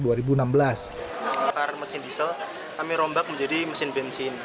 bakar mesin diesel kami rombak menjadi mesin bensin